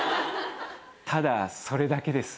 ただそれだけです。